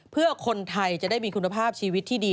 เพื่อคนไทยจะได้มีคุณภาพชีวิตที่ดี